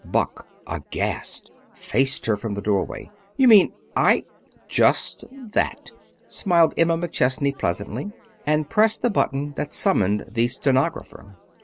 Buck, aghast, faced her from the doorway. "You mean, I " "Just that," smiled Emma McChesney pleasantly. And pressed the button that summoned the stenographer.